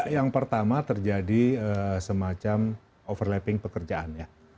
yang pertama terjadi semacam overlapping pekerjaan ya